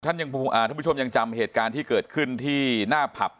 ท่านผู้ชมยังจำเหตุการณ์ที่เกิดขึ้นที่หน้าผับ